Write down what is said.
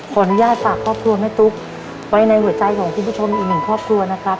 ขออนุญาตฝากครอบครัวแม่ตุ๊กไว้ในหัวใจของคุณผู้ชมอีกหนึ่งครอบครัวนะครับ